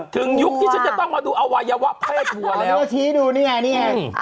ถึงยุคที่ฉันจะต้องมาดูอวัยวะเพศวัวแล้วนี่เขาชี้ดูนี่นี่